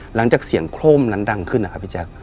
หลังจากเสียงโคร่มนั้นดังขึ้นนะครับพี่แจ๊ค